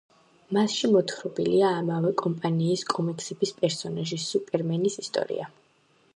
მასში მოთხრობილია ამავე კომპანიის კომიქსების პერსონაჟი სუპერმენის ისტორია.